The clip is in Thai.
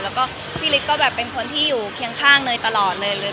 แล้วก็พี่ฤทธิก็แบบเป็นคนที่อยู่เคียงข้างเนยตลอดเลยเลย